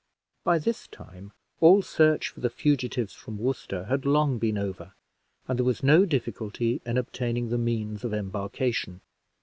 By this time all search for the fugitives from Worcester had long been over, and there was no difficulty in obtaining the means of embarkation.